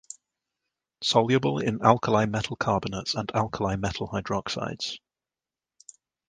Soluble in alkali metal carbonates and alkali metal hydroxides.